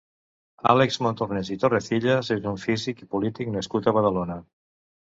Àlex Montornès i Torrecillas és un físic i polític nascut a Badalona.